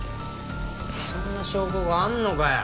そんな証拠があんのかよ！